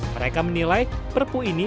mereka menilai perpuk ini